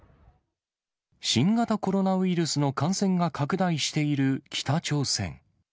新型コロナウイルスの感染が拡大している北朝鮮。